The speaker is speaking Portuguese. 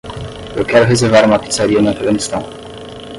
Eu quero reservar uma pizzaria no Afeganistão.